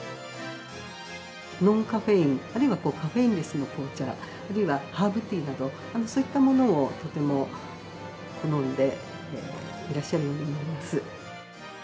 ノンカフェイン、あるいはカフェインレスの紅茶、あるいはハーブティーなど、そういったものをとても好んでいらっしゃるように思います。